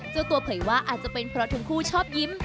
เจ้าตัวเผยว่าอาจจะเป็นเพราะทั้งคู่ชอบยิ้ม